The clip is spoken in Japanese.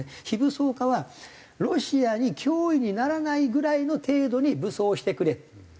非武装化はロシアに脅威にならないぐらいの程度に武装をしてくれ。